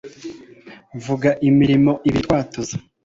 vuga imimaro ibiriy'utwatuzo